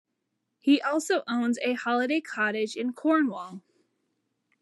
He also owns a holiday cottage in Cornwall.